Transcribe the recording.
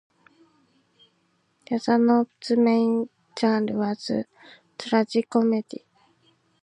Ryazanov's main genre was tragicomedy.